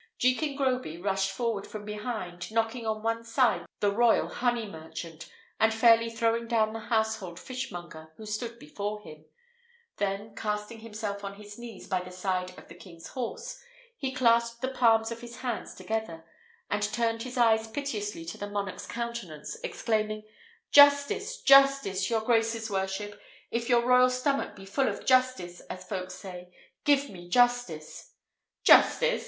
Jekin Groby rushed forward from behind, knocking on one side the royal honey merchant, and fairly throwing down the household fishmonger who stood before him; then, casting himself on his knees by the side of the king's horse, he clasped the palms of his hands together, and turned up his eyes piteously to the monarch's countenance, exclaiming, "Justice! justice! your grace's worship, if your royal stomach be full of justice, as folks say, give me justice." "Justice!"